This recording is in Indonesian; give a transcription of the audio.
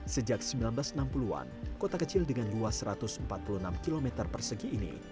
sejak seribu sembilan ratus enam puluh an kota kecil dengan luas satu ratus empat puluh enam km persegi ini